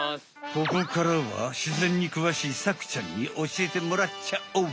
ここからはしぜんにくわしいサクちゃんにおしえてもらっちゃおう！